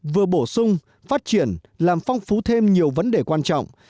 vừa bổ sung phát triển làm phong phú thêm nhiều vấn đề quan trọng